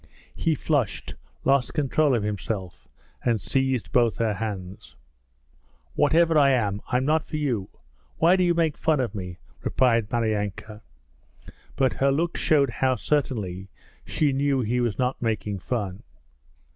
He flushed, lost control of himself, and seized both her hands. 'Whatever I am, I'm not for you. Why do you make fun of me?' replied Maryanka, but her look showed how certainly she knew he was not making fun.